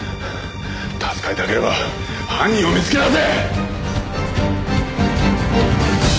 助かりたければ犯人を見つけ出せ！